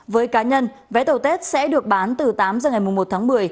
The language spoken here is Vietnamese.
với cá nhân vé tàu tết sẽ được bán từ tám giờ ngày một tháng một mươi